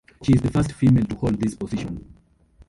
She is the first female to hold this position.